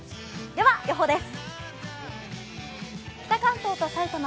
では、予報です。